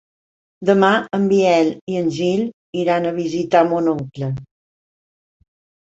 Demà en Biel i en Gil iran a visitar mon oncle.